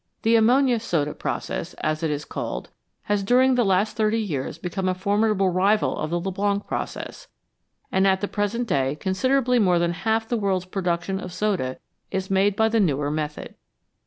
The ammonia soda process, as it is called, has during the last thirty years become a formidable rival of the Leblanc process, and at the present day considerably more than half the world's production of soda is made by the newer method.